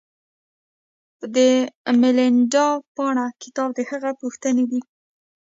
د میلیندا پانه کتاب د هغه پوښتنې دي